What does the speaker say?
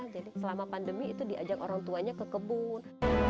jadi selama pandemi itu diajak orang tuanya ke kebun